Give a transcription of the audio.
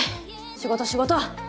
仕事仕事！